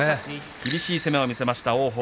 厳しい攻めを見せた王鵬。